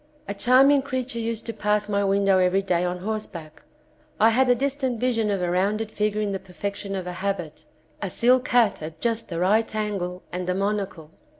A charming creature used to pass my v^indow every day on horseback. I had a distant vision of a rounded figure in the perfection of a habit, a silk hat at just the right angle and a monocle.